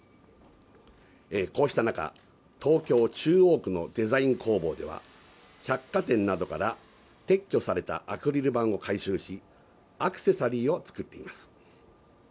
こうした中、東京・中央区のデザイン工房では百貨店などから撤去されたアクリル板を回収し、アクセサリーを作っています。